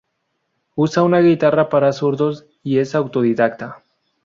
Usa una guitarra para zurdos, y es autodidacta.